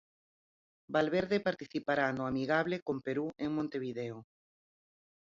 Valverde participará no amigable con Perú en Montevideo.